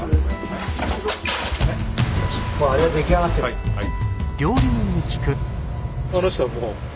はいはい。